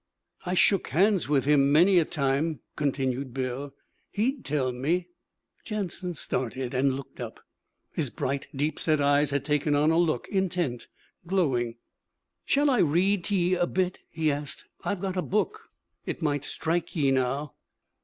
'I shook hands with him many a time,' continued Bill. 'He'd tell me ' Jansen started, and looked up. His bright, deep set eyes had taken on a look intent, glowing. 'Shall I read to ye a bit?' he asked. 'I've got a book it might strike ye now.'